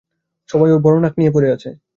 সবাই ওর বড় নাক নিয়ে পড়ে আছে।